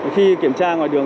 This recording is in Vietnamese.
khi kiểm tra ngoài đường